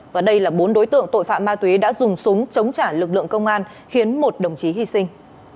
và đây là bốn đối tượng tội phạm ma túy đã dùng súng chống trả lực lượng công an khiến một đồng chí hy sinh